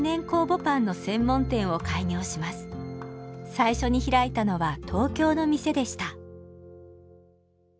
最初に開いたのは東京の店でした。